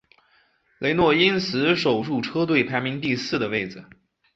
雷诺因此守住车队排名第四的位子。